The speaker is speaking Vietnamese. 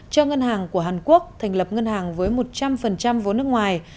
cho ngân hàng của hàn quốc thành lập ngân hàng với một trăm linh vốn nước ngoài